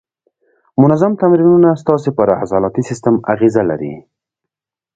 منظم تمرینونه ستاسې پر عضلاتي سیستم اغېزه لري.